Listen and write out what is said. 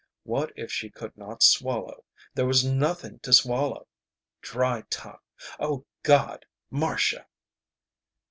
What if she could not swallow. There was nothing to swallow! Dry tongue. O God! Marcia!